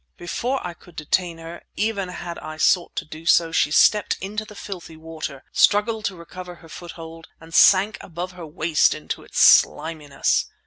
Before I could detain her, even had I sought to do so, she stepped into the filthy water, struggled to recover her foothold, and sank above her waist into its sliminess.